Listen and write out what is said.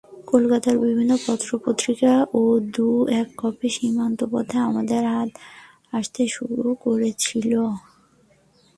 কলকাতার বিভিন্ন পত্রপত্রিকারও দু-এক কপি সীমান্তপথে আমাদের হাতে আসতে শুরু করেছিল।